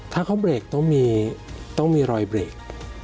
ถ้าเขาเบรคต้องมีต้องมีรอยเบรค